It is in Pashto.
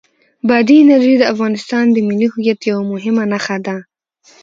بادي انرژي د افغانستان د ملي هویت یوه مهمه نښه ده.